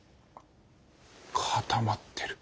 固まってる。